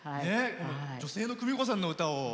女性のクミコさんの歌を。